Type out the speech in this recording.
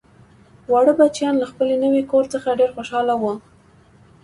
واړه بچیان له خپل نوي کور څخه ډیر خوشحاله وو